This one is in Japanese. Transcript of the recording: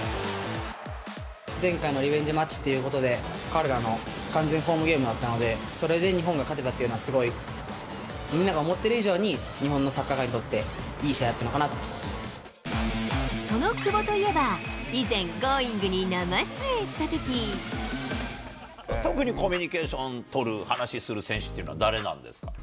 前回のリベンジマッチっていうことで、彼らの完全ホームゲームだったんで、それで日本が勝てたっていうのはすごい、みんなが思ってる以上に、日本のサッカー界にとっていい試合だっその久保といえば、以前、特にコミュニケーション取る、話しする選手っていうのは、誰なんですか。